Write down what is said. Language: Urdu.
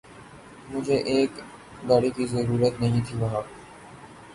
مجھیں ایک ایںر گاڑی کی ضریںرت نہیں تھیں وہاں